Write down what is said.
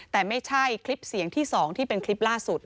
แต่ไม่ใช่คลิปเสียงที่๒ที่เป็นคลิปล่าสุด